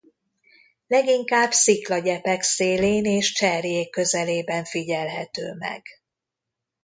Leginkább sziklagyepek szélén és cserjék közelében figyelhető meg.